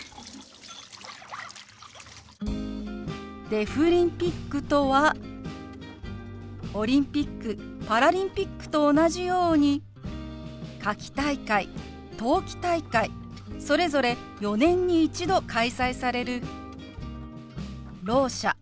「デフリンピック」とはオリンピックパラリンピックと同じように夏季大会冬季大会それぞれ４年に一度開催されるろう者